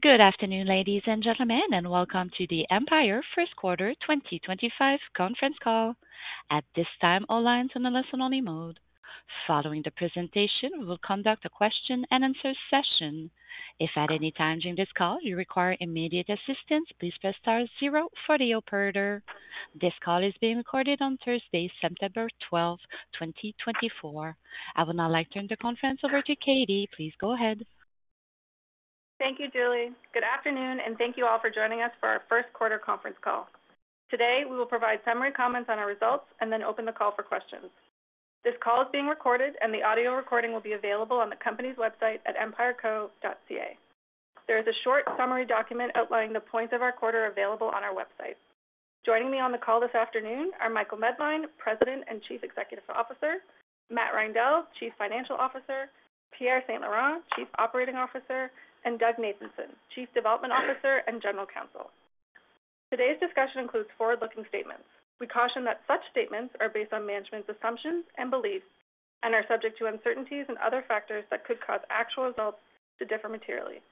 Good afternoon, ladies and gentlemen, and welcome to the Empire first quarter 2025 conference call. At this time, all lines on the listen-only mode. Following the presentation, we will conduct a question-and-answer session. If at any time during this call you require immediate assistance, please press star zero for the operator. This call is being recorded on Thursday, September 12th, 2024. I would now like to turn the conference over to Katie. Please go ahead. Thank you, Julie. Good afternoon, and thank you all for joining us for our first quarter conference call. Today, we will provide summary comments on our results and then open the call for questions. This call is being recorded, and the audio recording will be available on the company's website at empireco.ca. There is a short summary document outlining the points of our quarter available on our website. Joining me on the call this afternoon are Michael Medline, President and Chief Executive Officer, Matt Reindel, Chief Financial Officer, Pierre St-Laurent, Chief Operating Officer, and Doug Nathanson, Chief Development Officer and General Counsel. Today's discussion includes forward-looking statements. We caution that such statements are based on management's assumptions and beliefs and are subject to uncertainties and other factors that could cause actual results to differ materially.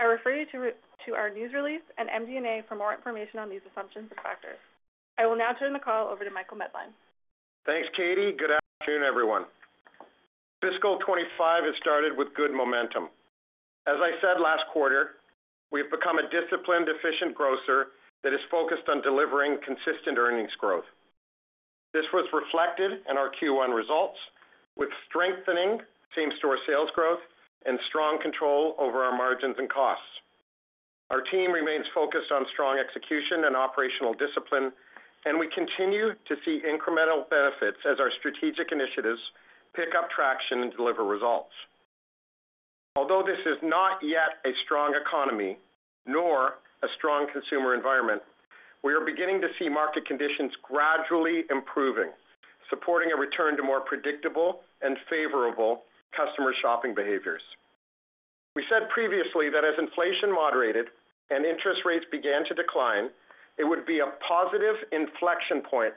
I refer you to our news release and MD&A for more information on these assumptions and factors. I will now turn the call over to Michael Medline. Thanks, Katie. Good afternoon, everyone. Fiscal 2025 has started with good momentum. As I said last quarter, we've become a disciplined, efficient grocer that is focused on delivering consistent earnings growth. This was reflected in our Q1 results, with strengthening same-store sales growth and strong control over our margins and costs. Our team remains focused on strong execution and operational discipline, and we continue to see incremental benefits as our strategic initiatives pick up traction and deliver results. Although this is not yet a strong economy nor a strong consumer environment, we are beginning to see market conditions gradually improving, supporting a return to more predictable and favorable customer shopping behaviors. We said previously that as inflation moderated and interest rates began to decline, it would be a positive inflection point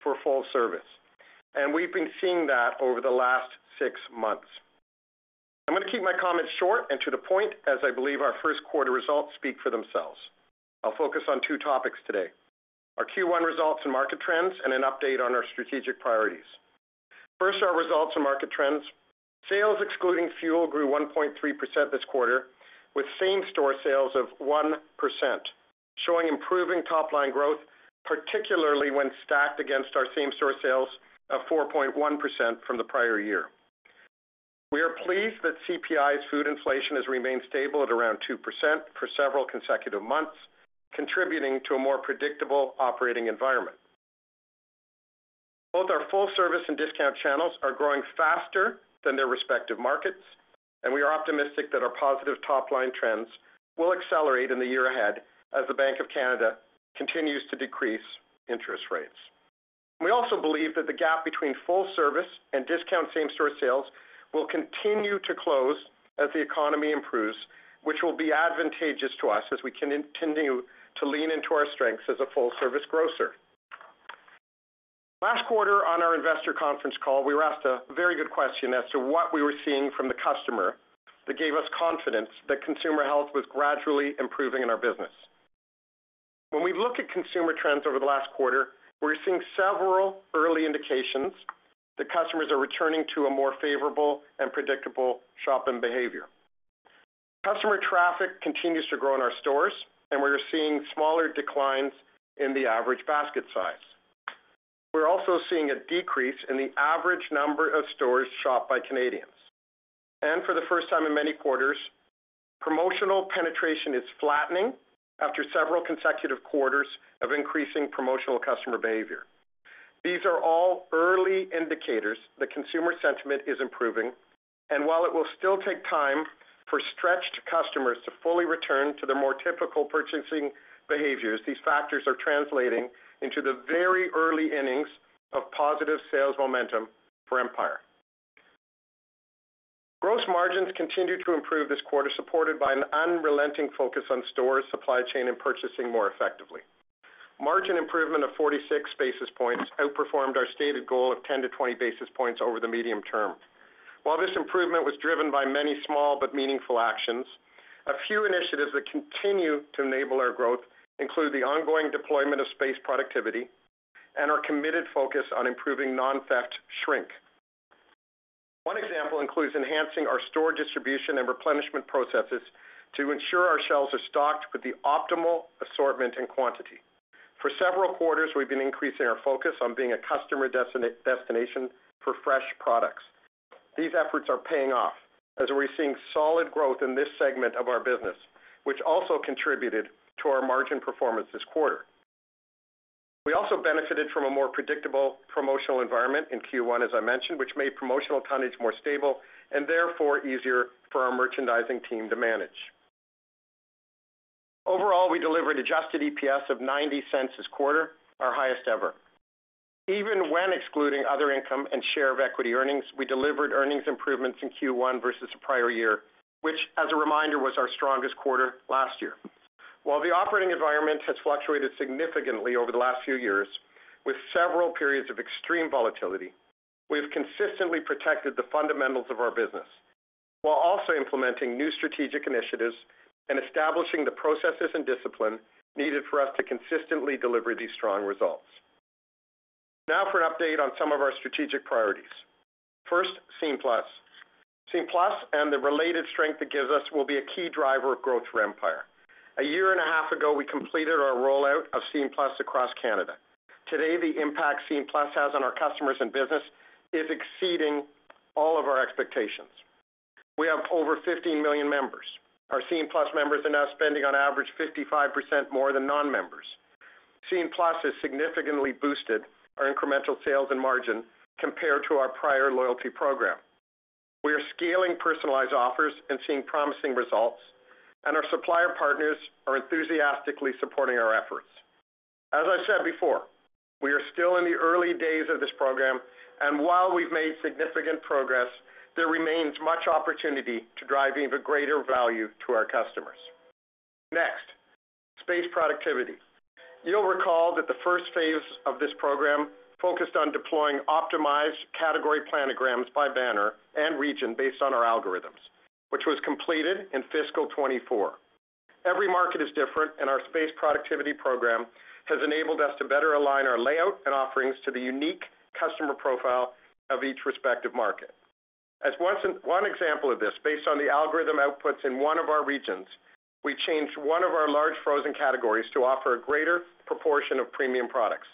for full service, and we've been seeing that over the last six months. I'm going to keep my comments short and to the point, as I believe our first quarter results speak for themselves. I'll focus on two topics today: our Q1 results and market trends, and an update on our strategic priorities. First, our results and market trends. Sales, excluding fuel, grew 1.3% this quarter, with same-store sales of 1%, showing improving top-line growth, particularly when stacked against our same-store sales of 4.1% from the prior year. We are pleased that CPI's food inflation has remained stable at around 2% for several consecutive months, contributing to a more predictable operating environment. Both our full service and discount channels are growing faster than their respective markets, and we are optimistic that our positive top-line trends will accelerate in the year ahead as the Bank of Canada continues to decrease interest rates. We also believe that the gap between full service and discount same-store sales will continue to close as the economy improves, which will be advantageous to us as we can continue to lean into our strengths as a full-service grocer. Last quarter, on our investor conference call, we were asked a very good question as to what we were seeing from the customer that gave us confidence that consumer health was gradually improving in our business. When we look at consumer trends over the last quarter, we're seeing several early indications that customers are returning to a more favorable and predictable shopping behavior. Customer traffic continues to grow in our stores, and we are seeing smaller declines in the average basket size. We're also seeing a decrease in the average number of stores shopped by Canadians. For the first time in many quarters, promotional penetration is flattening after several consecutive quarters of increasing promotional customer behavior. These are all early indicators that consumer sentiment is improving, and while it will still take time for stretched customers to fully return to their more typical purchasing behaviors, these factors are translating into the very early innings of positive sales momentum for Empire. Gross margins continued to improve this quarter, supported by an unrelenting focus on stores, supply chain, and purchasing more effectively. Margin improvement of 46 basis points outperformed our stated goal of 10-20 basis points over the medium term. While this improvement was driven by many small but meaningful actions, a few initiatives that continue to enable our growth include the ongoing deployment of space productivity and our committed focus on improving non-theft shrink. One example includes enhancing our store distribution and replenishment processes to ensure our shelves are stocked with the optimal assortment and quantity. For several quarters, we've been increasing our focus on being a customer destination for fresh products. These efforts are paying off as we're seeing solid growth in this segment of our business, which also contributed to our margin performance this quarter. We also benefited from a more predictable promotional environment in Q1, as I mentioned, which made promotional tonnage more stable and therefore easier for our merchandising team to manage. Overall, we delivered adjusted EPS of 0.90 this quarter, our highest ever. Even when excluding other income and share of equity earnings, we delivered earnings improvements in Q1 versus the prior year, which, as a reminder, was our strongest quarter last year. While the operating environment has fluctuated significantly over the last few years, with several periods of extreme volatility, we have consistently protected the fundamentals of our business, while also implementing new strategic initiatives and establishing the processes and discipline needed for us to consistently deliver these strong results. Now for an update on some of our strategic priorities. First, Scene+. Scene+ and the related strength it gives us will be a key driver of growth for Empire. A year and a half ago, we completed our rollout of Scene+ across Canada. Today, the impact Scene+ has on our customers and business is exceeding all of our expectations. We have over 15 million members. Our Scene+ members are now spending on average 55% more than non-members. Scene+ has significantly boosted our incremental sales and margin compared to our prior loyalty program. We are scaling personalized offers and seeing promising results, and our supplier partners are enthusiastically supporting our efforts. As I said before, we are still in the early days of this program, and while we've made significant progress, there remains much opportunity to drive even greater value to our customers. Next, space productivity. You'll recall that the first phase of this program focused on deploying optimized category planograms by banner and region based on our algorithms, which was completed in fiscal 2024. Every market is different, and our space productivity program has enabled us to better align our layout and offerings to the unique customer profile of each respective market. As one example of this, based on the algorithm outputs in one of our regions, we changed one of our large frozen categories to offer a greater proportion of premium products.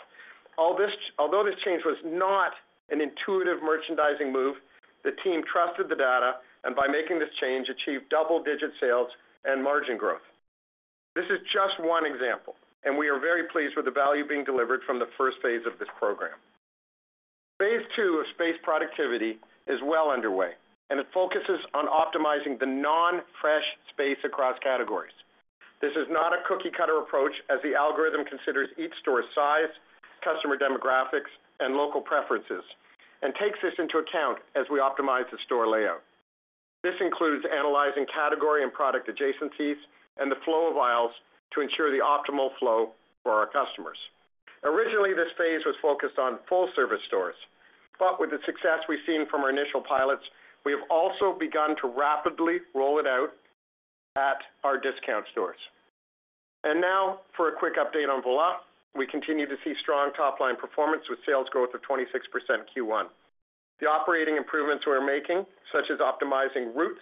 All the same, although this change was not an intuitive merchandising move, the team trusted the data, and by making this change, achieved double-digit sales and margin growth. This is just one example, and we are very pleased with the value being delivered from the first phase of this program. Phase II of space productivity is well underway, and it focuses on optimizing the non-fresh space across categories. This is not a cookie-cutter approach, as the algorithm considers each store's size, customer demographics, and local preferences, and takes this into account as we optimize the store layout. This includes analyzing category and product adjacencies and the flow of aisles to ensure the optimal flow for our customers. Originally, this phase was focused on full-service stores, but with the success we've seen from our initial pilots, we have also begun to rapidly roll it out at our discount stores, and now, for a quick update on Voilà, we continue to see strong top-line performance with sales growth of 26% Q1. The operating improvements we're making, such as optimizing routes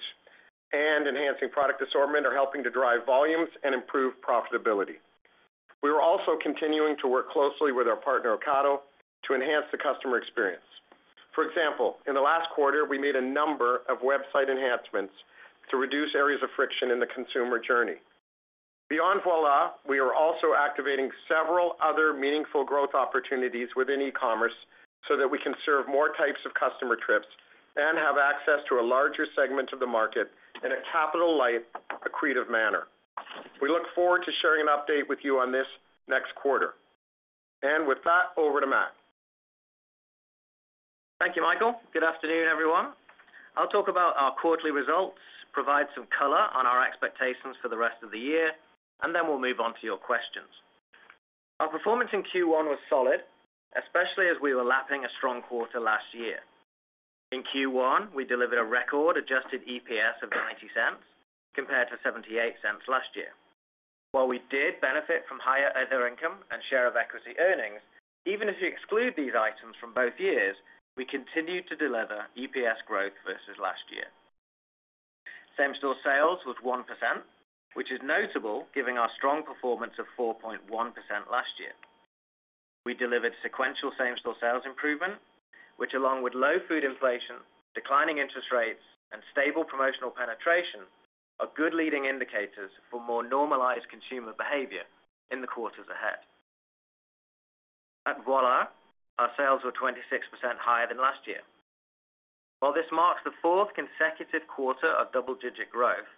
and enhancing product assortment, are helping to drive volumes and improve profitability. We are also continuing to work closely with our partner, Ocado, to enhance the customer experience. For example, in the last quarter, we made a number of website enhancements to reduce areas of friction in the consumer journey. Beyond Voilà, we are also activating several other meaningful growth opportunities within e-commerce so that we can serve more types of customer trips and have access to a larger segment of the market in a capital-light, accretive manner. We look forward to sharing an update with you on this next quarter, and with that, over to Matt. Thank you, Michael. Good afternoon, everyone. I'll talk about our quarterly results, provide some color on our expectations for the rest of the year, and then we'll move on to your questions. Our performance in Q1 was solid, especially as we were lapping a strong quarter last year. In Q1, we delivered a record adjusted EPS of 0.90 compared to 0.78 last year. While we did benefit from higher other income and share of equity earnings, even if you exclude these items from both years, we continued to deliver EPS growth versus last year. Same-store sales was 1%, which is notable, given our strong performance of 4.1% last year. We delivered sequential same-store sales improvement, which, along with low food inflation, declining interest rates, and stable promotional penetration, are good leading indicators for more normalized consumer behavior in the quarters ahead. At Voilà, our sales were 26% higher than last year. While this marks the fourth consecutive quarter of double-digit growth,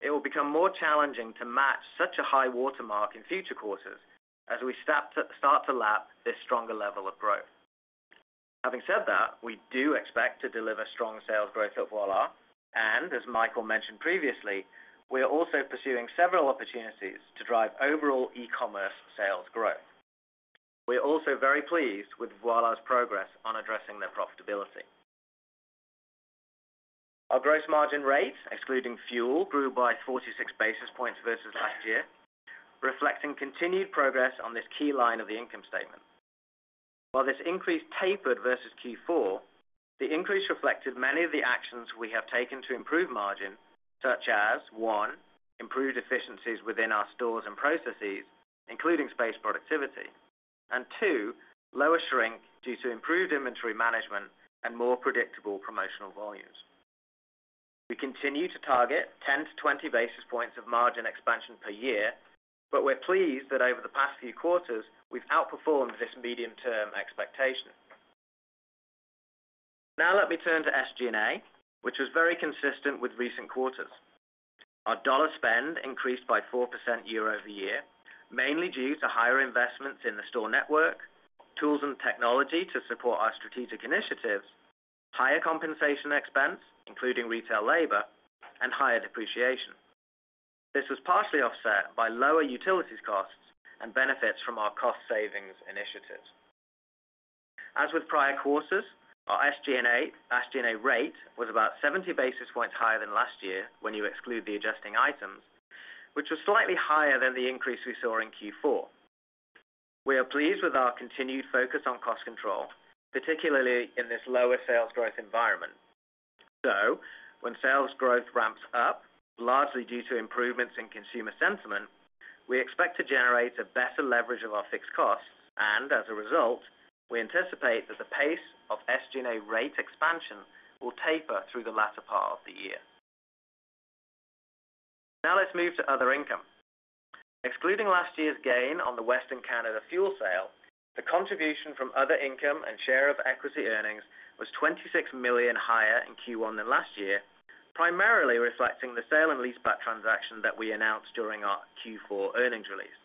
it will become more challenging to match such a high-water mark in future quarters as we start to lap this stronger level of growth. Having said that, we do expect to deliver strong sales growth at Voilà, and as Michael mentioned previously, we are also pursuing several opportunities to drive overall e-commerce sales growth. We are also very pleased with Voilà's progress on addressing their profitability. Our gross margin rate, excluding fuel, grew by 46 basis points versus last year, reflecting continued progress on this key line of the income statement. While this increase tapered versus Q4, the increase reflected many of the actions we have taken to improve margin, such as, one, improved efficiencies within our stores and processes, including space productivity, and two, lower shrink due to improved inventory management and more predictable promotional volumes. We continue to target 10 to 20 basis points of margin expansion per year, but we're pleased that over the past few quarters, we've outperformed this medium-term expectation. Now let me turn to SG&A, which was very consistent with recent quarters. Our dollar spend increased by 4% year-over-year, mainly due to higher investments in the store network, tools and technology to support our strategic initiatives, higher compensation expense, including retail labor and higher depreciation. This was partially offset by lower utilities costs and benefits from our cost savings initiatives. As with prior quarters, our SG&A rate was about 70 basis points higher than last year when you exclude the adjusting items, which was slightly higher than the increase we saw in Q4. We are pleased with our continued focus on cost control, particularly in this lower sales growth environment. So when sales growth ramps up, largely due to improvements in consumer sentiment, we expect to generate a better leverage of our fixed costs. And as a result, we anticipate that the pace of SG&A rate expansion will taper through the latter part of the year. Now let's move to other income. Excluding last year's gain on the Western Canada fuel sale, the contribution from other income and share of equity earnings was 26 million higher in Q1 than last year, primarily reflecting the sale and leaseback transaction that we announced during our Q4 earnings release.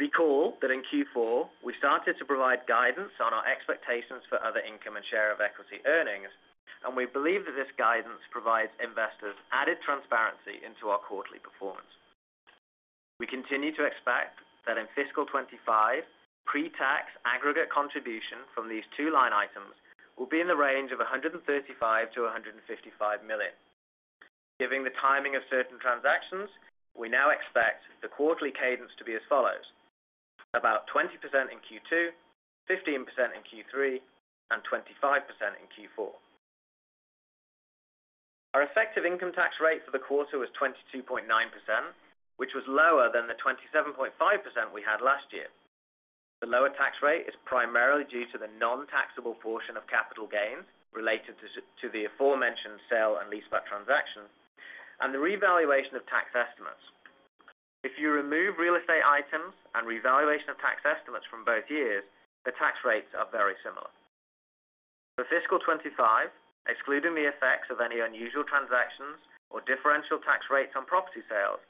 Recall that in Q4, we started to provide guidance on our expectations for other income and share of equity earnings, and we believe that this guidance provides investors added transparency into our quarterly performance. We continue to expect that in fiscal 2025, pretax aggregate contribution from these two line items will be in the range of 135-155 million. Given the timing of certain transactions, we now expect the quarterly cadence to be as follows: about 20% in Q2, 15% in Q3, and 25% in Q4. Our effective income tax rate for the quarter was 22.9%, which was lower than the 27.5% we had last year. The lower tax rate is primarily due to the nontaxable portion of capital gains related to the aforementioned sale and leaseback transaction and the revaluation of tax estimates. If you remove real estate items and revaluation of tax estimates from both years, the tax rates are very similar. For fiscal 2025, excluding the effects of any unusual transactions or differential tax rates on property sales,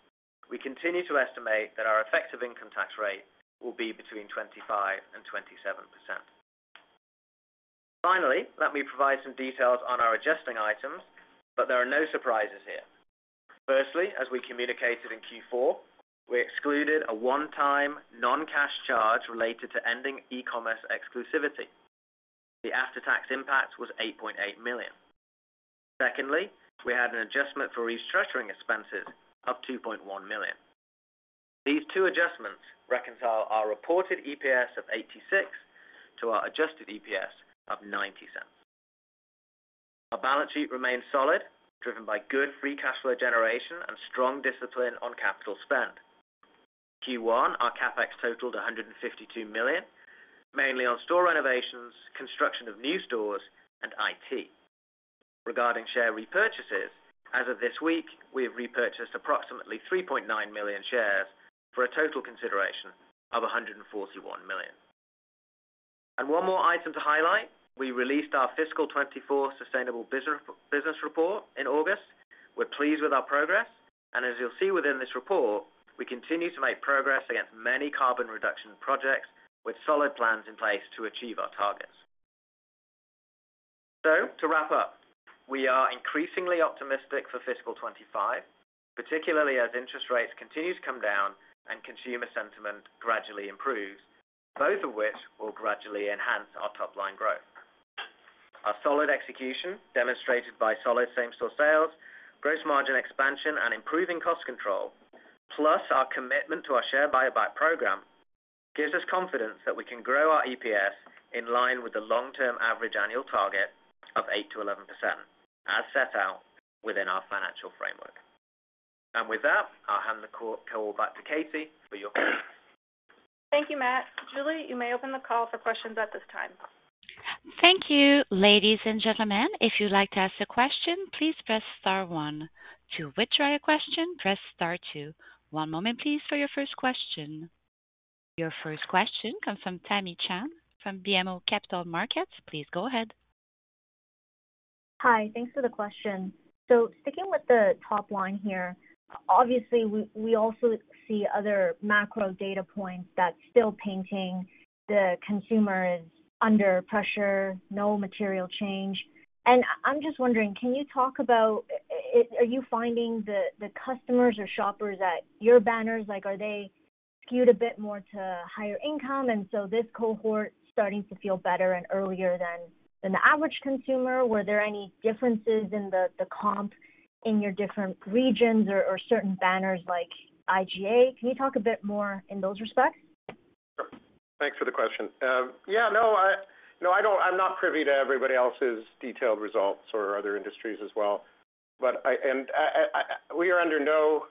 we continue to estimate that our effective income tax rate will be between 25% and 27%. Finally, let me provide some details on our adjusting items, but there are no surprises here. Firstly, as we communicated in Q4, we excluded a one-time non-cash charge related to ending e-commerce exclusivity. The after-tax impact was 8.8 million. Secondly, we had an adjustment for restructuring expenses of 2.1 million. These two adjustments reconcile our reported EPS of 0.86 to our adjusted EPS of 0.90. Our balance sheet remains solid, driven by good free cash flow generation and strong discipline on capital spend. Q1, our CapEx totaled 152 million, mainly on store renovations, construction of new stores, and IT. Regarding share repurchases, as of this week, we have repurchased approximately 3.9 million shares for a total consideration of 141 million. One more item to highlight, we released our fiscal 2024 Sustainable Business Report in August. We're pleased with our progress, and as you'll see within this report, we continue to make progress against many carbon reduction projects with solid plans in place to achieve our targets. To wrap up, we are increasingly optimistic for fiscal 2025, particularly as interest rates continue to come down and consumer sentiment gradually improves, both of which will gradually enhance our top-line growth. Our solid execution, demonstrated by solid same-store sales, gross margin expansion, and improving cost control, plus our commitment to our share buyback program, gives us confidence that we can grow our EPS in line with the long-term average annual target of 8%-11%, as set out within our financial framework. With that, I'll hand the call back to Katie for your questions. Thank you, Matt. Julie, you may open the call for questions at this time. Thank you, ladies and gentlemen. If you'd like to ask a question, please press star one. To withdraw your question, press star two. One moment, please, for your first question. Your first question comes from Tamy Chen from BMO Capital Markets. Please go ahead. Hi, thanks for the question. So sticking with the top line here, obviously, we also see other macro data points that's still painting the consumer is under pressure, no material change. And I'm just wondering, can you talk about, are you finding the customers or shoppers at your banners like, are they skewed a bit more to higher income, and so this cohort starting to feel better and earlier than the average consumer? Were there any differences in the comp in your different regions or certain banners like IGA? Can you talk a bit more in those respects? Sure. Thanks for the question. Yeah, no, I don't... I'm not privy to everybody else's detailed results or other industries as well, but we are under no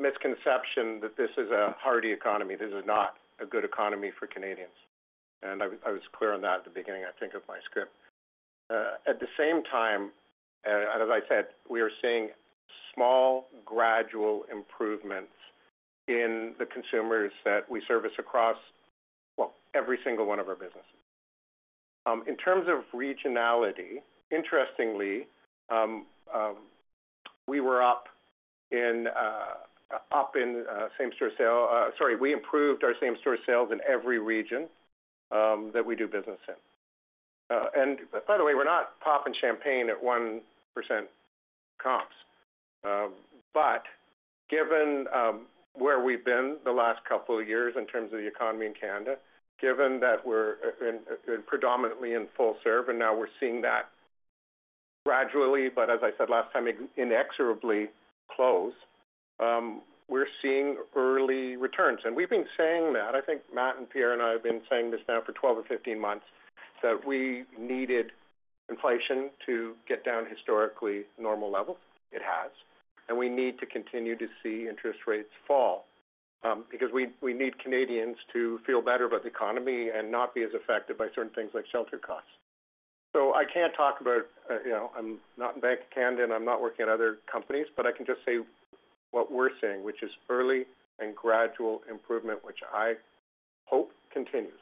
misconception that this is a hardy economy. This is not a good economy for Canadians, and I was clear on that at the beginning, I think, of my script. At the same time, as I said, we are seeing small, gradual improvements in the consumers that we service across, well, every single one of our businesses. In terms of regionality, interestingly, we were up in same-store sales. Sorry, we improved our same-store sales in every region that we do business in. And by the way, we're not popping champagne at 1% comps. But given where we've been the last couple of years in terms of the economy in Canada, given that we're predominantly in full serve, and now we're seeing that gradually, but as I said last time, inexorably close, we're seeing early returns. And we've been saying that. I think Matt and Pierre and I have been saying this now for 12 or 15 months, that we needed inflation to get down to historically normal levels. It has. We need to continue to see interest rates fall, because we need Canadians to feel better about the economy and not be as affected by certain things like shelter costs. I can't talk about, you know, I'm not in Bank of Canada, and I'm not working at other companies, but I can just say what we're seeing, which is early and gradual improvement, which I hope continues.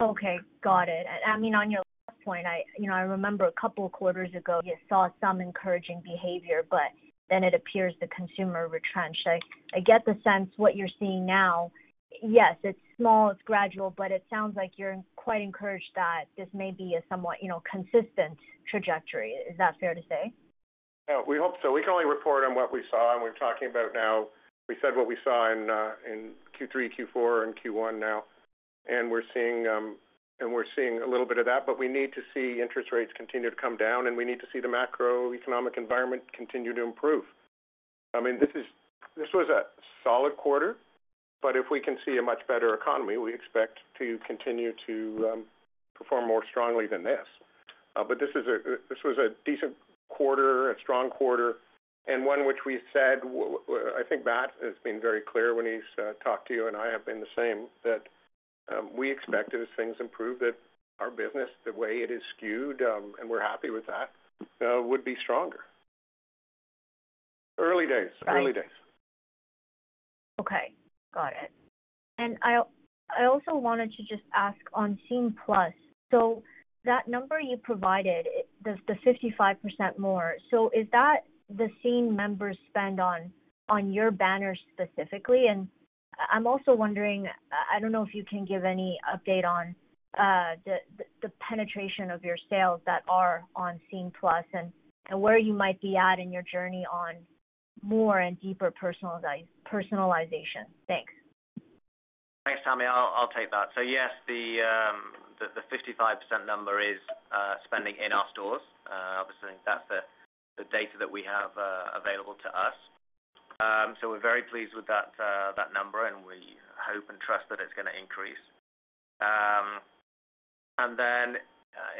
Okay, got it. I mean, on your last point, I, you know, I remember a couple of quarters ago, you saw some encouraging behavior, but then it appears the consumer retrenched. I get the sense what you're seeing now, yes, it's small, it's gradual, but it sounds like you're quite encouraged that this may be a somewhat, you know, consistent trajectory. Is that fair to say? Yeah, we hope so. We can only report on what we saw, and we're talking about now. We said what we saw in Q3, Q4, and Q1 now, and we're seeing a little bit of that, but we need to see interest rates continue to come down, and we need to see the macroeconomic environment continue to improve. I mean, this is, this was a solid quarter, but if we can see a much better economy, we expect to continue to perform more strongly than this. But this was a decent quarter, a strong quarter, and one which we said, I think Matt has been very clear when he's talked to you, and I have been the same, that we expected as things improve, that our business, the way it is skewed, and we're happy with that, would be stronger. Early days. Right. Early days. Okay, got it. And I also wanted to just ask on Scene+, so that number you provided, the 55% more, so is that the scene members spend on your banner specifically? And I'm also wondering, I don't know if you can give any update on the penetration of your sales that are on Scene+, and where you might be at in your journey on more and deeper personalization. Thanks. Thanks, Tamy. I'll take that. So yes, the 55% number is spending in our stores. Obviously, that's the data that we have available to us. So we're very pleased with that number, and we hope and trust that it's gonna increase. And then,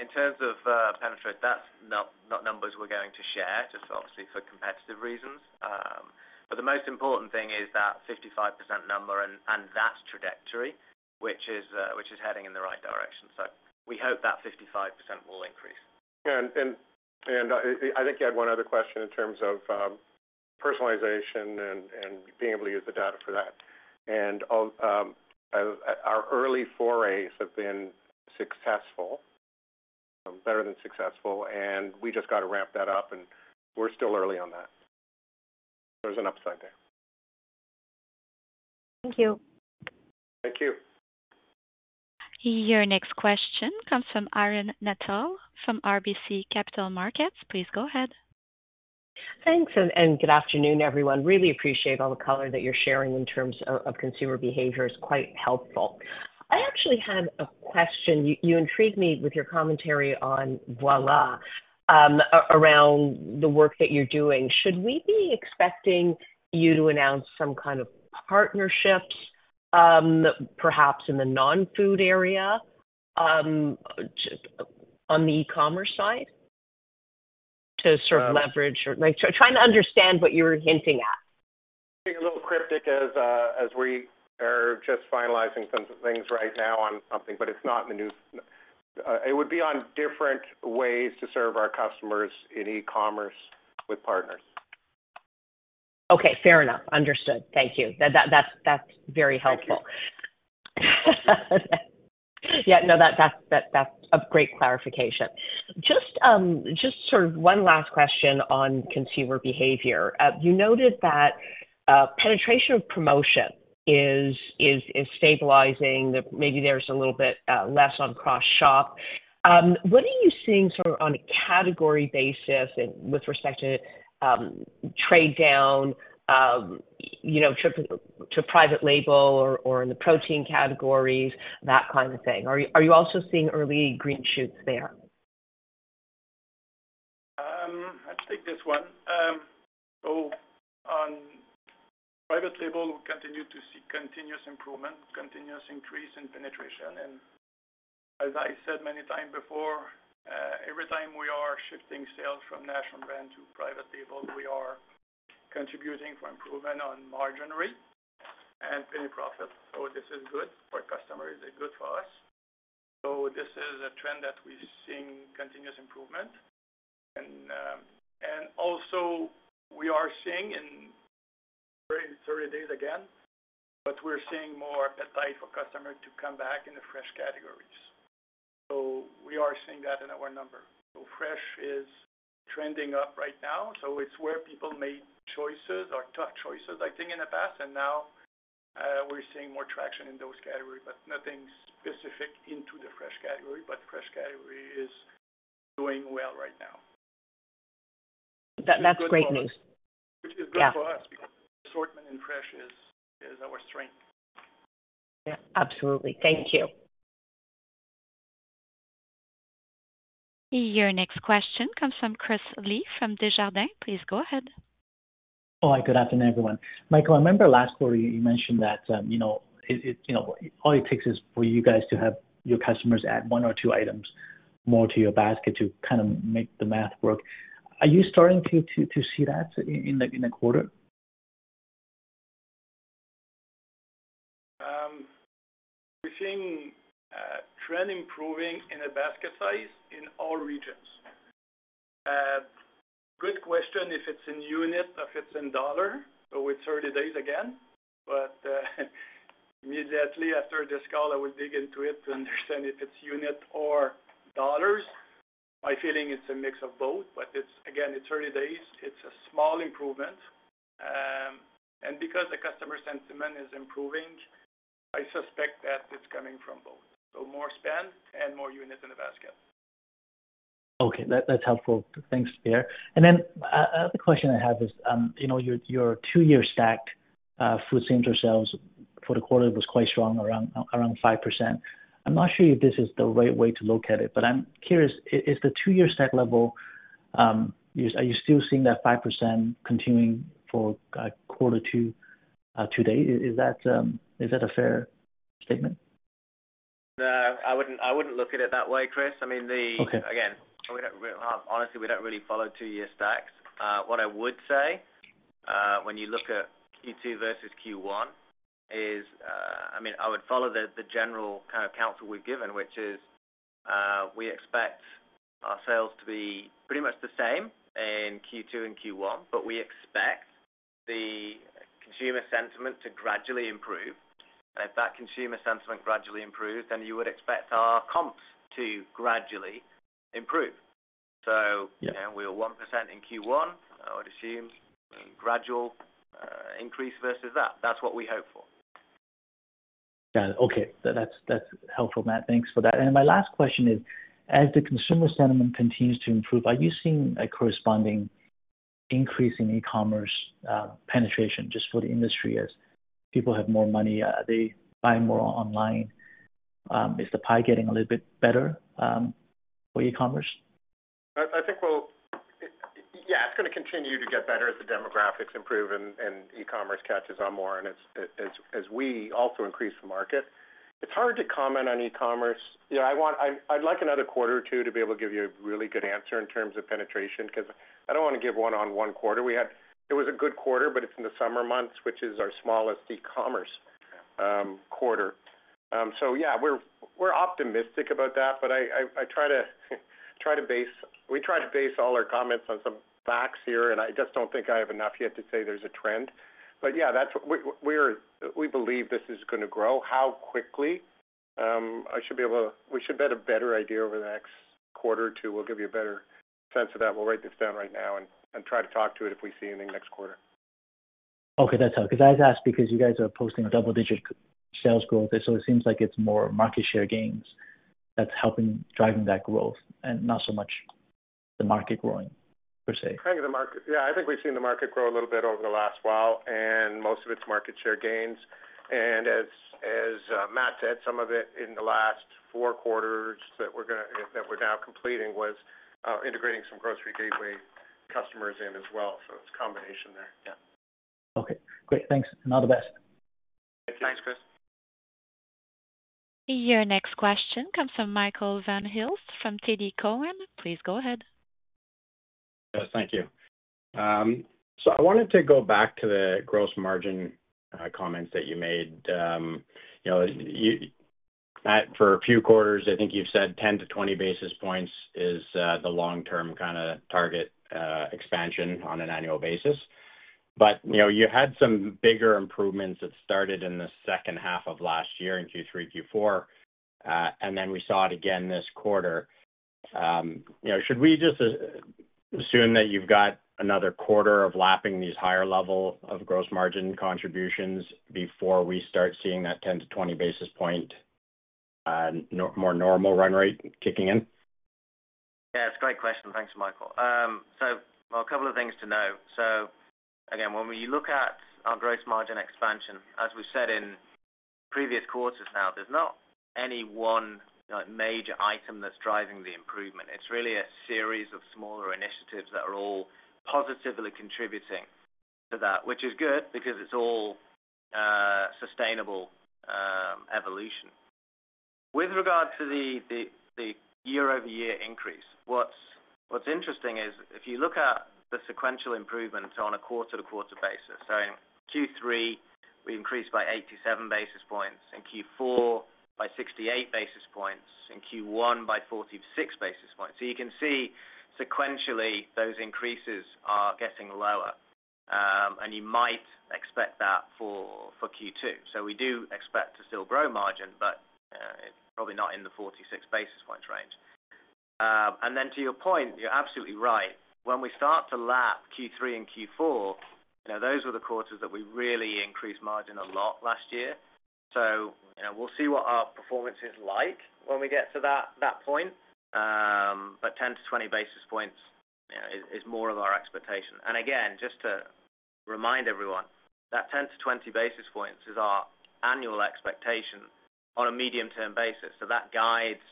in terms of penetration, that's not numbers we're going to share, just obviously for competitive reasons. But the most important thing is that 55% number and that trajectory, which is heading in the right direction. So we hope that 55% will increase. And I think you had one other question in terms of personalization and being able to use the data for that. And our early forays have been successful, better than successful, and we just got to ramp that up, and we're still early on that. There's an upside there. Thank you. Thank you. Your next question comes from Irene Nattel from RBC Capital Markets. Please go ahead. Thanks, and good afternoon, everyone. Really appreciate all the color that you're sharing in terms of consumer behavior, it's quite helpful. I actually had a question. You intrigued me with your commentary on Voilà, around the work that you're doing. Should we be expecting you to announce some kind of partnerships, perhaps in the non-food area, just on the e-commerce side, to sort of leverage or like. Trying to understand what you were hinting at? Being a little cryptic as, as we are just finalizing some things right now on something, but it's not in the news. It would be on different ways to serve our customers in e-commerce with partners. Okay, fair enough. Understood. Thank you. That's very helpful. Yeah, no, that's a great clarification. Just sort of one last question on consumer behavior. You noted that penetration of promotion is stabilizing, that maybe there's a little bit less on cross-shop. What are you seeing sort of on a category basis and with respect to trade down, you know, to private label or in the protein categories, that kind of thing? Are you also seeing early green shoots there? I'll take this one, so on private label, we continue to see continuous improvement, continuous increase in penetration, and as I said many time before, every time we are shifting sales from national brand to private label, we are contributing for improvement on margin rate and penny profit, so this is good for customers, and good for us, so this is a trend that we're seeing continuous improvement. And also we are seeing in 30 days again, but we're seeing more appetite for customer to come back in the fresh categories. So we are seeing that in our number. So fresh is trending up right now, so it's where people made choices or tough choices, I think, in the past, and now, we're seeing more traction in those categories, but nothing specific into the fresh category. But fresh category is doing well right now. That's great news. Which is good for us. Yeah.Because assortment in fresh is our strength. Yeah, absolutely. Thank you. Your next question comes from Chris Li from Desjardins. Please go ahead. All right, good afternoon, everyone. Michael, I remember last quarter you mentioned that, you know, it, you know, all it takes is for you guys to have your customers add one or two items more to your basket to kind of make the math work. Are you starting to see that in the quarter? We're seeing a trend improving in the basket size in all regions. Good question, if it's in unit or if it's in dollar, so it's 30 days again. But immediately after this call, I will dig into it to understand if it's unit or dollars. My feeling, it's a mix of both, but it's again, it's 30 days. It's a small improvement. Because the customer sentiment is improving, I suspect that it's coming from both. So more spend and more units in the basket. Okay, that's helpful. Thanks, Pierre. And then, other question I have is, you know, your two-year stacked food same-store sales for the quarter was quite strong, around 5%. I'm not sure if this is the right way to look at it, but I'm curious, is the two-year stack level, are you still seeing that 5% continuing for quarter-to-date? Is that a fair statement? No, I wouldn't look at it that way, Chris. I mean, the- Okay. Again, we don't, honestly, we don't really follow two-year stacks. What I would say, when you look at Q2 versus Q1, is, I mean, I would follow the general kind of counsel we've given, which is, we expect our sales to be pretty much the same in Q2 and Q1, but we expect the consumer sentiment to gradually improve. And if that consumer sentiment gradually improves, then you would expect our comps to gradually improve. So Yeah. You know, we were 1% in Q1, I would assume gradual, increase versus that. That's what we hope for. Got it. Okay. So that's, that's helpful, Matt. Thanks for that. And my last question is, as the consumer sentiment continues to improve, are you seeing a corresponding increase in e-commerce penetration just for the industry as people have more money, are they buying more online? Is the pie getting a little bit better for e-commerce? I think we'll. Yeah, it's gonna continue to get better as the demographics improve and e-commerce catches on more, and as we also increase the market. It's hard to comment on e-commerce. You know, I want - I'd like another quarter or two to be able to give you a really good answer in terms of penetration, because I don't wanna give one on one quarter. We had-- It was a good quarter, but it's in the summer months, which is our smallest e-commerce quarter. So yeah, we're optimistic about that, but I try to base - we try to base all our comments on some facts here, and I just don't think I have enough yet to say there's a trend. But yeah, that's. We believe this is gonna grow. How quickly? I should be able to. We should have a better idea over the next quarter or two. We'll give you a better sense of that. We'll write this down right now and try to talk to it if we see anything next quarter. Okay, that's helpful, because I asked because you guys are posting a double-digit sales growth, so it seems like it's more market share gains that's helping driving that growth and not so much the market growing per se. Kind of the market. Yeah, I think we've seen the market grow a little bit over the last while, and most of it's market share gains. And as Matt said, some of it in the last four quarters that we're now completing was integrating some Grocery Gateway customers in as well. So it's a combination there. Yeah. Okay, great. Thanks, and all the best. Thanks, Chris. Your next question comes from Michael Van Aelst, from TD Cowen. Please go ahead. Yes, thank you. So I wanted to go back to the gross margin comments that you made. You know, Matt, for a few quarters, I think you've said 10-20 basis points is the long-term kinda target expansion on an annual basis. But you know, you had some bigger improvements that started in the second half of last year, in Q3, Q4, and then we saw it again this quarter. You know, should we just assume that you've got another quarter of lapping these higher level of gross margin contributions before we start seeing that 10-20 basis point more normal run rate kicking in? Yeah, it's a great question. Thanks, Michael. So... Well, a couple of things to know. So again, when we look at our gross margin expansion, as we've said in previous quarters, now, there's not any one, major item that's driving the improvement. It's really a series of smaller initiatives that are all positively contributing to that, which is good, because it's all, sustainable, evolution. With regard to the year-over-year increase, what's interesting is, if you look at the sequential improvements on a quarter-to-quarter basis, so in Q3. We increased by 87 basis points in Q4 by 68 basis points, in Q1 by 46 basis points. So you can see sequentially, those increases are getting lower, and you might expect that for Q2. So we do expect to still grow margin, but it's probably not in the 46 basis points range. And then to your point, you're absolutely right. When we start to lap Q3 and Q4, you know, those were the quarters that we really increased margin a lot last year. So, you know, we'll see what our performance is like when we get to that point. But 10-20 basis points, you know, is more of our expectation. And again, just to remind everyone, that 10-20 basis points is our annual expectation on a medium-term basis. So that guides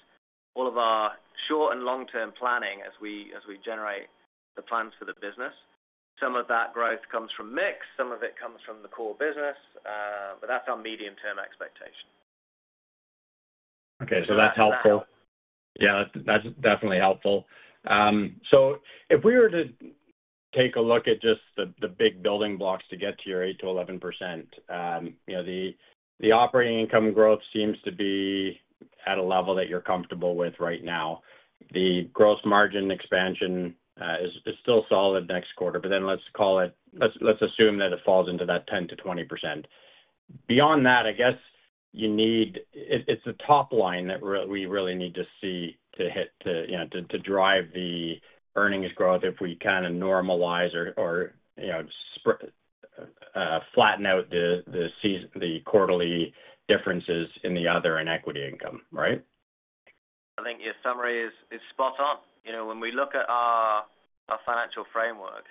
all of our short and long-term planning as we generate the plans for the business. Some of that growth comes from mix, some of it comes from the core business, but that's our medium-term expectation. Okay, so that's helpful. Yeah, that's, that's definitely helpful. So if we were to take a look at just the big building blocks to get to your 8%-11%, you know, the operating income growth seems to be at a level that you're comfortable with right now. The gross margin expansion is still solid next quarter, but then let's call it. Let's assume that it falls into that 10%-20%. Beyond that, I guess you need it, it's the top line that we really need to see to hit, to, you know, to drive the earnings growth if we kinda normalize or, you know, flatten out the season, the quarterly differences in the other and equity income, right? I think your summary is spot on. You know, when we look at our financial framework,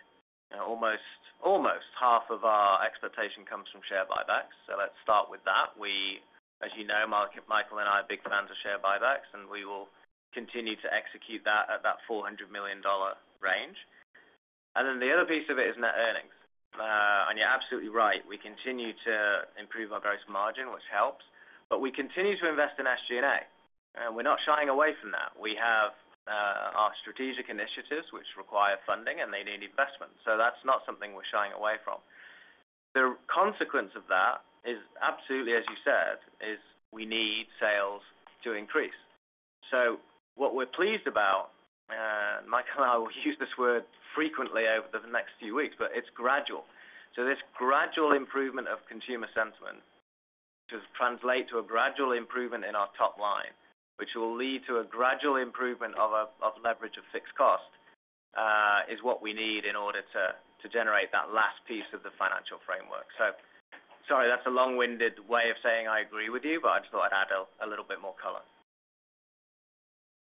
almost half of our expectation comes from share buybacks. So let's start with that. We, as you know, Mark, Michael and I are big fans of share buybacks, and we will continue to execute that at that 400 million dollar range. And then the other piece of it is net earnings. And you're absolutely right, we continue to improve our gross margin, which helps, but we continue to invest in SG&A, and we're not shying away from that. We have our strategic initiatives, which require funding, and they need investment. So that's not something we're shying away from. The consequence of that is absolutely, as you said, we need sales to increase. What we're pleased about, Michael and I will use this word frequently over the next few weeks, but it's gradual. This gradual improvement of consumer sentiment to translate to a gradual improvement in our top line, which will lead to a gradual improvement of leverage of fixed cost, is what we need in order to generate that last piece of the financial framework. Sorry, that's a long-winded way of saying I agree with you, but I just thought I'd add a little bit more color.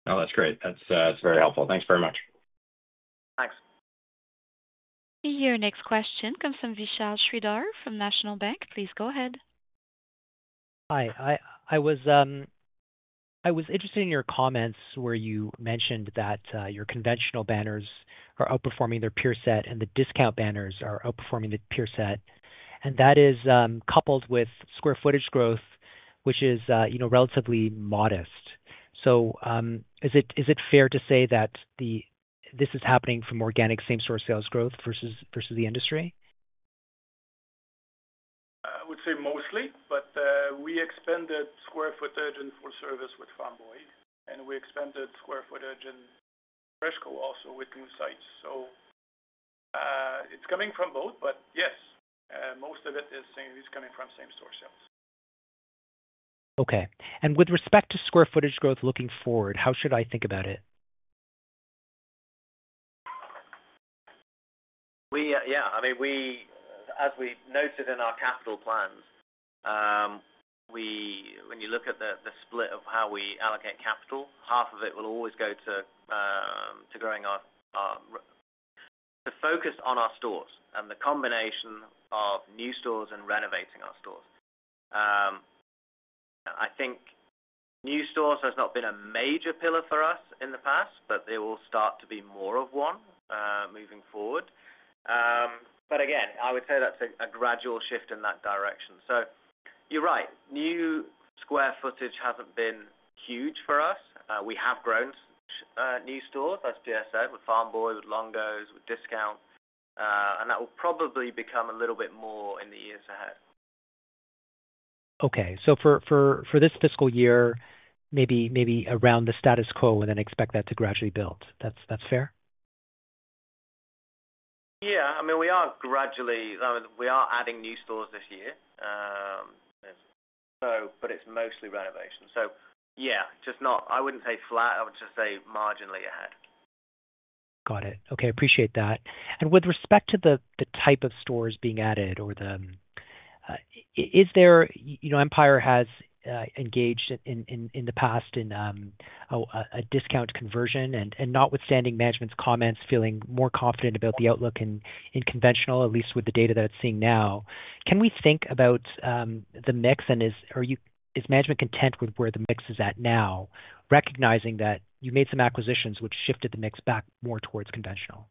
No, that's great. That's, that's very helpful. Thanks very much. Thanks. Your next question comes from Vishal Shreedhar from National Bank. Please go ahead. Hi, I was interested in your comments where you mentioned that your conventional banners are outperforming their peer set, and the discount banners are outperforming the peer set. And that is coupled with square footage growth, which is, you know, relatively modest. So, is it fair to say that this is happening from organic same-store sales growth versus the industry? I would say mostly, but we expanded square footage and full service with Farm Boy, and we expanded square footage in FreshCo, also with new sites. So, it's coming from both, but yes, most of it, saying, is coming from same-store sales. Okay. With respect to square footage growth looking forward, how should I think about it? Yeah, I mean, as we noted in our capital plans, when you look at the split of how we allocate capital, half of it will always go to growing the focus on our stores and the combination of new stores and renovating our stores. I think new stores has not been a major pillar for us in the past, but they will start to be more of one moving forward. But again, I would say that's a gradual shift in that direction. So you're right, new square footage hasn't been huge for us. We have grown new stores, as Pierre said, with Farm Boy, with Longo’s, with discount, and that will probably become a little bit more in the years ahead. Okay. So for this fiscal year, maybe around the status quo and then expect that to gradually build. That's fair? Yeah. I mean, we are gradually, we are adding new stores this year. So, but it's mostly renovation. So yeah, I wouldn't say flat, I would just say marginally ahead. Got it. Okay, appreciate that. And with respect to the type of stores being added or, is there. You know, Empire has engaged in the past in a discount conversion. And notwithstanding management's comments, feeling more confident about the outlook in conventional, at least with the data that it's seeing now, can we think about the mix and is management content with where the mix is at now, recognizing that you made some acquisitions which shifted the mix back more towards conventional?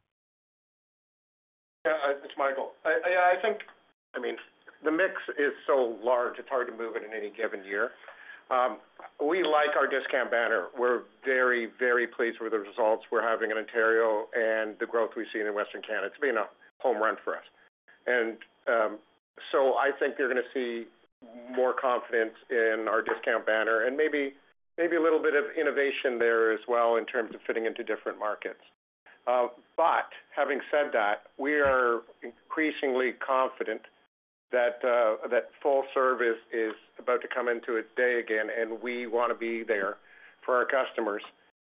Yeah, it's Michael. I think, I mean, the mix is large, it's hard to move it in any given year. We like our discount banner. We're very, very pleased with the results we're having in Ontario and the growth we've seen in Western Canada. It's been a home run for us. And so I think you're gonna see more confidence in our discount banner and maybe, maybe a little bit of innovation there as well in terms of fitting into different markets. But having said that, we are increasingly confident that that full service is about to come into its day again, and we wanna be there for our customers.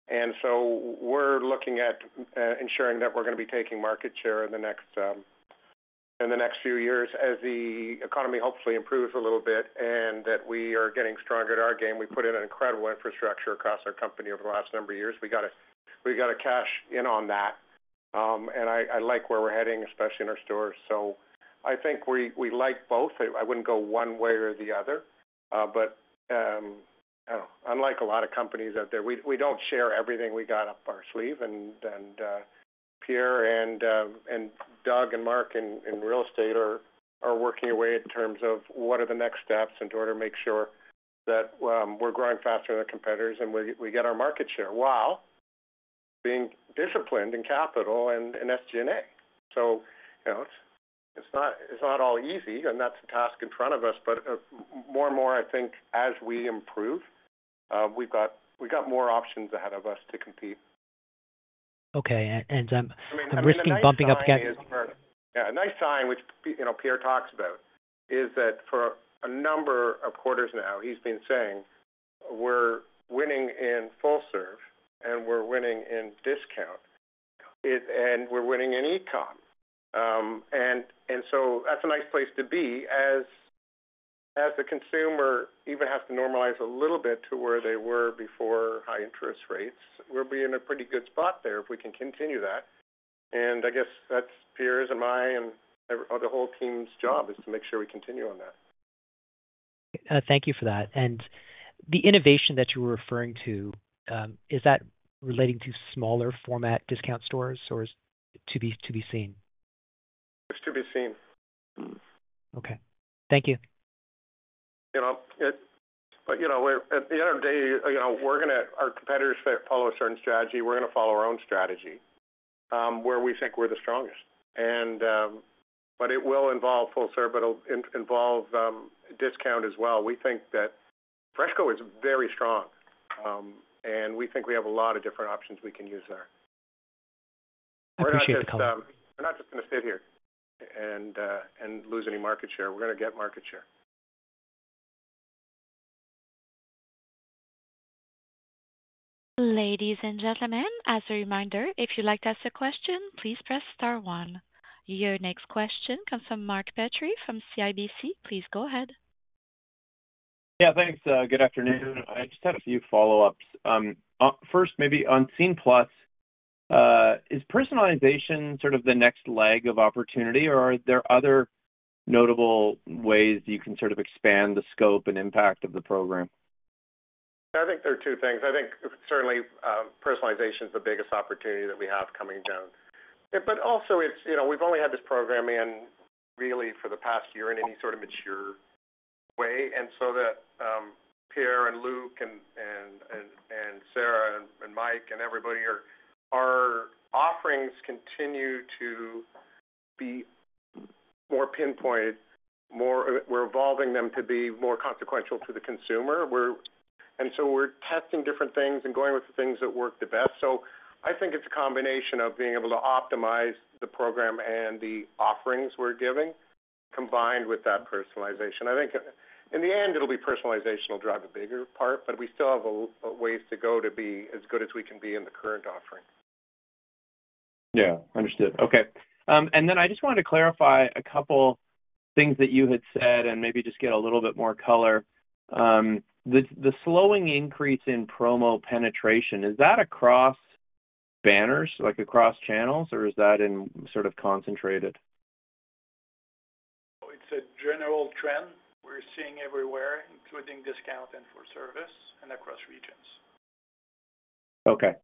And so we're looking at ensuring that we're gonna be taking market share in the next, in the next few years as the economy hopefully improves a little bit, and that we are getting stronger at our game. We put in an incredible infrastructure across our company over the last number of years. We gotta, we gotta cash in on that. And I like where we're heading, especially in our stores. So I think we like both. I wouldn't go one way or the other, but unlike a lot of companies out there, we don't share everything we got up our sleeve and Pierre and Doug and Mark in real estate are working away in terms of what are the next steps and to make sure that we're growing faster than our competitors, and we get our market share, while being disciplined in capital and in SG&A. So you know, it's, it's not, it's not all easy, and that's the task in front of us, but, more and more, I think as we improve, we've got, we've got more options ahead of us to compete. Okay, and, risking bumping up- Yeah, a nice sign, which, you know, Pierre talks about is that for a number of quarters now, he's been saying, we're winning in full serve, and we're winning in discount, and we're winning in e-com. And so that's a nice place to be as the consumer even has to normalize a little bit to where they were before high interest rates, we'll be in a pretty good spot there if we can continue that. And I guess that's Pierre's and my and the whole team's job is to make sure we continue on that. Thank you for that. And the innovation that you were referring to, is that relating to smaller format discount stores or is to be seen? It's to be seen. Okay. Thank you. You know, it, but, you know, we're at the end of the day, you know, we're gonna our competitors follow a certain strategy, we're gonna follow our own strategy, where we think we're the strongest. And, but it will involve full serve, but it'll involve discount as well. We think that FreshCo is very strong, and we think we have a lot of different options we can use there. Appreciate your time. We're not just gonna sit here and lose any market share. We're gonna get market share. Ladies and gentlemen, as a reminder, if you'd like to ask a question, please press star one. Your next question comes from Mark Petrie, from CIBC. Please go ahead. Yeah, thanks. Good afternoon. I just had a few follow-ups. First, maybe on Scene+, is personalization sort of the next leg of opportunity, or are there other notable ways you can sort of expand the scope and impact of the program? I think there are two things. I think certainly, personalization is the biggest opportunity that we have coming down, but also it's, you know, we've only had this program in really for the past year in any sort of mature way, and so that Pierre and Luc and Sarah and Mike and everybody are. Our offerings continue to be more pinpoint, more. We're evolving them to be more consequential to the consumer, and so we're testing different things and going with the things that work the best. I think it's a combination of being able to optimize the program and the offerings we're giving, combined with that personalization. I think in the end, it'll be personalization will drive a bigger part, but we still have a ways to go to be as good as we can be in the current offering. Yeah, understood. Okay, and then I just wanted to clarify a couple things that you had said and maybe just get a little bit more color. The slowing increase in promo penetration, is that across banners, like across channels, or is that in sort of concentrated? It's a general trend we're seeing everywhere, including discount and full service and across regions. Okay.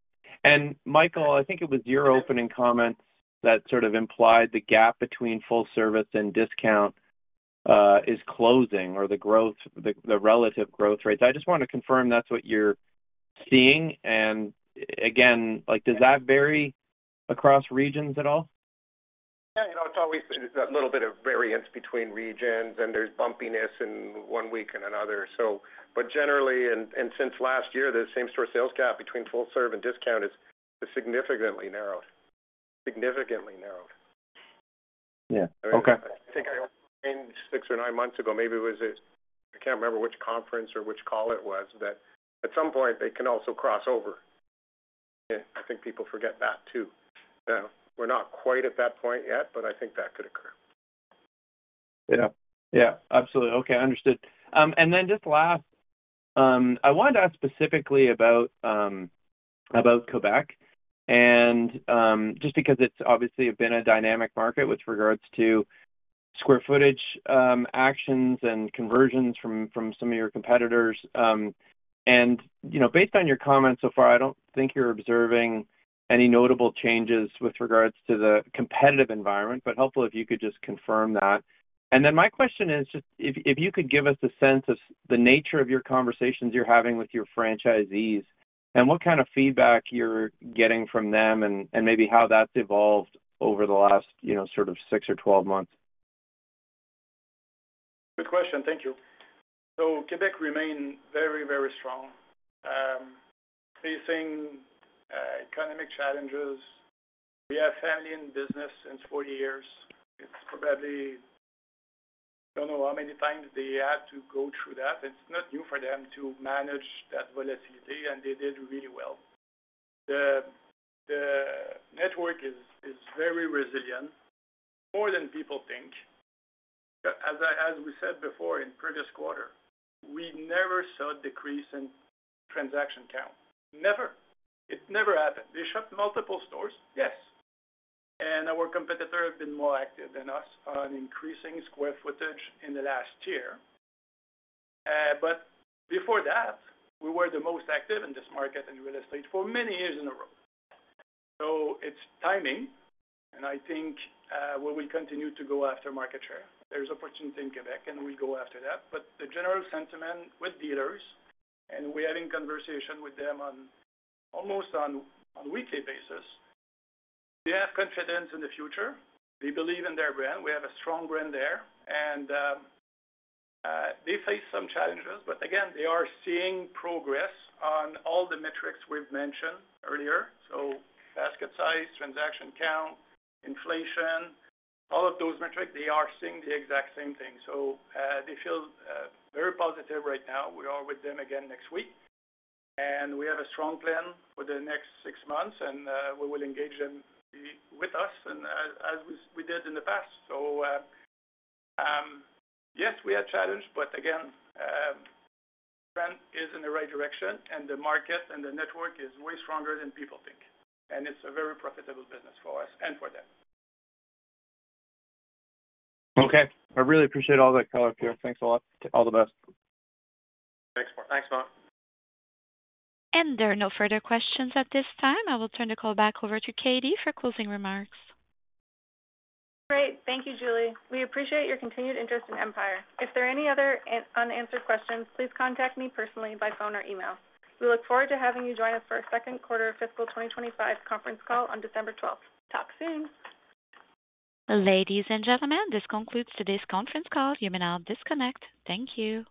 And Michael, I think it was your opening comment that sort of implied the gap between full service and discount is closing or the growth, the relative growth rates. I just want to confirm that's what you're seeing. And again, like, does that vary across regions at all? Yeah, you know, it's always, there's that little bit of variance between regions, and there's bumpiness in one week and another. So, but generally, and since last year, the same-store sales gap between full serve and discount is significantly narrowed. Significantly narrowed. Yeah. Okay. I think I explained six or 9 months ago, maybe it was. I can't remember which conference or which call it was, that at some point they can also cross over. I think people forget that too. We're not quite at that point yet, but I think that could occur. Yeah. Yeah, absolutely. Okay, understood. And then just last, I wanted to ask specifically about about Quebec and, just because it's obviously been a dynamic market with regards to square footage, actions and conversions from some of your competitors, and, you know, based on your comments so far, I don't think you're observing any notable changes with regards to the competitive environment, but helpful if you could just confirm that. And then my question is just if you could give us a sense of the nature of your conversations you're having with your franchisees. And what kind of feedback you're getting from them, and maybe how that's evolved over the last, you know, sort of six or 12 months? Good question. Thank you. So Quebec remains very, very strong, facing economic challenges. We have family in business since 40 years. It's probably, don't know how many times they had to go through that. It's not new for them to manage that volatility, and they did really well. The network is very resilient, more than people think. But as we said before in previous quarter, we never saw a decrease in transaction count. Never. It never happened. They shut multiple stores? Yes, and our competitor have been more active than us on increasing square footage in the last year. But before that, we were the most active in this market, in real estate, for many years in a row. So it's timing, and I think, we will continue to go after market share. There's opportunity in Quebec, and we go after that. But the general sentiment with dealers, and we're having conversation with them on almost a weekly basis, they have confidence in the future. They believe in their brand. We have a strong brand there, and they face some challenges, but again, they are seeing progress on all the metrics we've mentioned earlier. So basket size, transaction count, inflation, all of those metrics, they are seeing the exact same thing. So they feel very positive right now. We are with them again next week, and we have a strong plan for the next six months, and we will engage them with us and as we did in the past. So, yes, we are challenged, but again, trend is in the right direction, and the market and the network is way stronger than people think, and it's a very profitable business for us and for them. Okay. I really appreciate all that color, Pierre. Thanks a lot. All the best. Thanks. Thanks, Mark. There are no further questions at this time. I will turn the call back over to Katie for closing remarks. Great. Thank you, Julie. We appreciate your continued interest in Empire. If there are any other unanswered questions, please contact me personally by phone or email. We look forward to having you join us for our second quarter of fiscal 2025 conference call on December 12th. Talk soon. Ladies and gentlemen, this concludes today's conference call. You may now disconnect. Thank you.